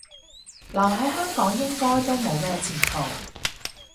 留喺香港應該都冇咩前途